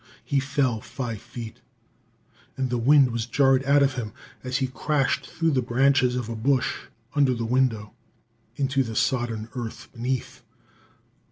He fell five feet, and the wind was jarred out of him as he crashed through the branches of a bush under the window into the sodden earth beneath.